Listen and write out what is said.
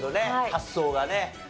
発想がね。